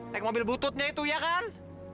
naik mobil bututnya itu ya kan